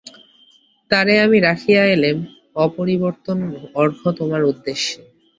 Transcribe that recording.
তারে আমি রাখিয়া এলেম অপরিবর্তন অর্ঘ্য তোমার উদ্দেশে।